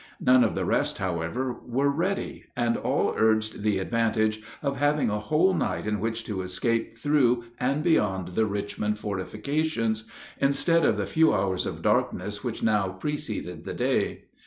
None of the rest however, were ready; and all urged the advantage of having a whole night in which to escape through and beyond the Richmond fortifications, instead of the few hours of darkness which now preceded the day.